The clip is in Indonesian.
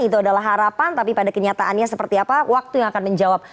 itu adalah harapan tapi pada kenyataannya seperti apa waktu yang akan menjawab